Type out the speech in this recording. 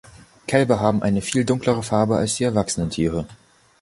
Kälber haben eine viel dunklere Farbe als die erwachsenen Tiere.